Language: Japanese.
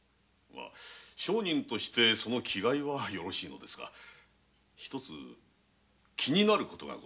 商人としてその気概はよろしいのですが一つ気になる事がございまして。